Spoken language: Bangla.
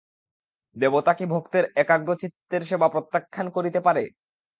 দেবতা কি ভক্তের একাগ্রচিত্তের সেবা প্রত্যাখ্যান করিতে পারে!